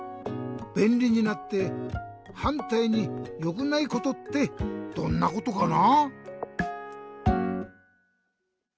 べんりになってはんたいによくないことってどんなことかな？